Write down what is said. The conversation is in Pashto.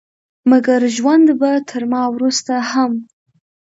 مګر ژوند به تر ما وروسته هم